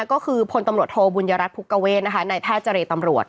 ก็คือผลตำรวจโทบุญรัฐภูกเกาเวชนะคะในแพทย์จริตำรวจ